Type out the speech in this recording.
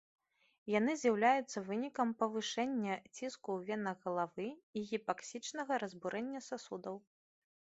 Яны з'яўляюцца вынікам павышэння ціску ў венах галавы і гіпаксічнага разбурэння сасудаў.